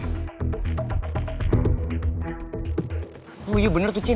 oh iya bener tuh cin